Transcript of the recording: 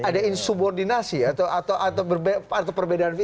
ini ada insubordinasi atau perbedaan